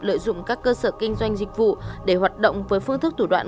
lợi dụng các cơ sở kinh doanh dịch vụ để hoạt động với phương thức thủ đoạn